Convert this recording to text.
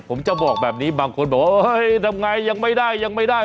ผมจะบอกแบบนี้บางคนบอกว่าเฮ้ยทำไงยังไม่ได้ยังไม่ได้